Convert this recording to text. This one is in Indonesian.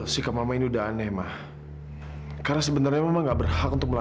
sampai jumpa di video selanjutnya